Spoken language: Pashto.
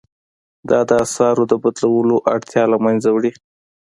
دا د اسعارو د بدلولو اړتیا له مینځه وړي.